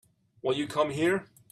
Will you come here?